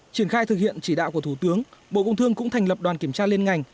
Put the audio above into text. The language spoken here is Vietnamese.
triển khai thực hiện chỉ đạo của thủ tướng bộ công thương cũng thành lập đoàn kiểm tra liên ngành